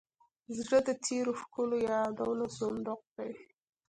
زړه د تېرو ښکلو یادونو صندوق دی.